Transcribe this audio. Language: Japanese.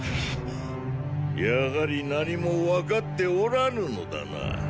やはり何も分かっておらぬのだな。